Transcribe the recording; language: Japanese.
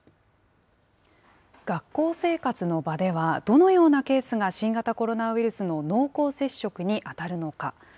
学校生活の場では、どのようなケースが新型コロナウイルスの濃厚接触に当たるのか。